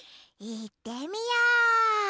いってみよう！